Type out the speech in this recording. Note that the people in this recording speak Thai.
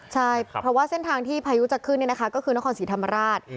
ใช่เพราะว่าเส้นทางที่พายุจะขึ้นก็คือนครศรีธรรมราช